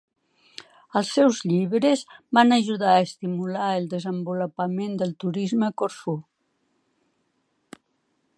Els seus llibres van ajudar a estimular el desenvolupament del turisme a Corfú.